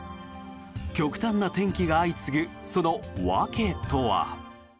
極端な天気が相次ぐその訳とは？